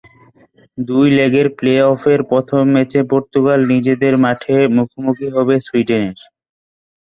দুই লেগের প্লে-অফের প্রথম ম্যাচে পর্তুগাল নিজেদের মাঠে মুখোমুখি হবে সুইডেনের।